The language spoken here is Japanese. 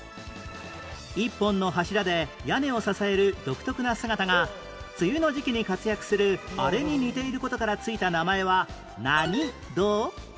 １本の柱で屋根を支える独特な姿が梅雨の時期に活躍するあれに似ている事から付いた名前は何堂？